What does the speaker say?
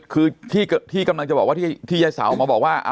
คือที่กำลังจะบอกว่าที่ยายเสาออกมาบอกว่า